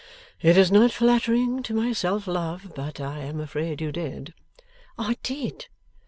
It is not flattering to my self love, but I am afraid you did.' 'I did.